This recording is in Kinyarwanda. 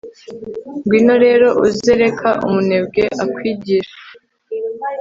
ngwino rero, uze reka umunebwe akwigishe